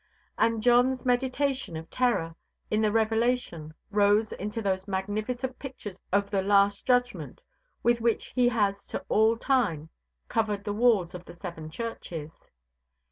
And John's meditations of terror in the Revelation rose into those magnificent pictures of the Last Judgment with which he has to all time covered the walls of the Seven Churches.